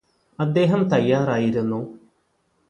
അദ്ദേഹം തയ്യാറായിരുന്നു